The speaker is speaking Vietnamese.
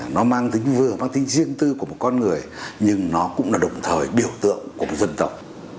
nó mang tính vừa mang tính riêng tư của một con người nhưng nó cũng là đồng thời biểu tượng của một dân tộc